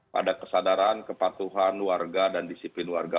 pada kesadaran kepatuhan warga dan disiplin warga